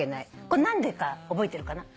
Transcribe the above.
これ何でか覚えてるかな？